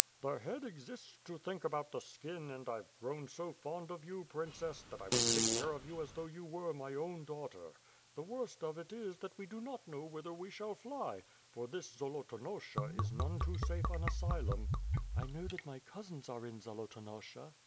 "The head exists to think about the skin; and I've grown so fond of you, Princess, that I will take care of you as though you were my own daughter. The worst of it is that we do know whither we shall fly, for this Zolotonosha is none too safe an asylum." "I know that my cousins are in Zolotonosha."